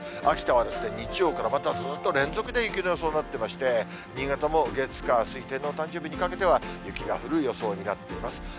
秋田はですね、日曜からまたずーっと連続で雪の予想になってまして、新潟も月、火、水、天皇誕生日にかけては雪が降る予想になっています。